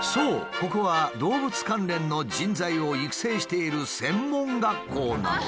ここは動物関連の人材を育成している専門学校なのだ。